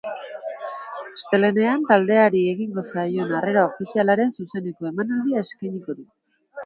Astelehean taldeari egingo zaion harrera ofizialaren zuzeneko emanaldia eskainiko du.